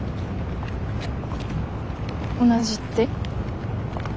同じって？